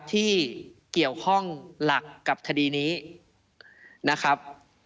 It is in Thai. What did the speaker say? ที่เกี่ยวข้องหลักกับคดีนี้นะครับ